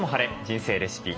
人生レシピ」